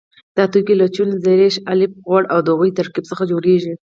دا توکي له چونه، سريښ، الف غوړي او د هغوی ترکیب څخه جوړیږي.